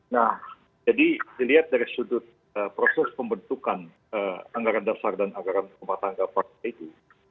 nah jadi dilihat dari sudut proses pembentukan anggaran dasar dan anggaran rumah tangga partai itu